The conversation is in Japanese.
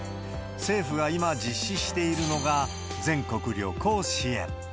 政府が今実施しているのが、全国旅行支援。